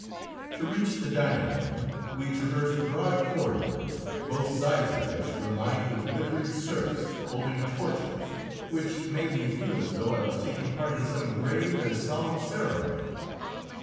To reach the dining room we traversed broad corridors, both sides of which were lined with liveried serfs holding torches, which made me feel as though I was taking part in some grave and solemn ceremony.